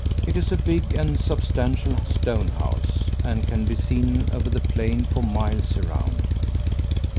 It is a big and substantial stone house; and can be seen over the plain for miles around.